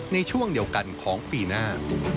ในช่วงเดียวกันของปีหน้า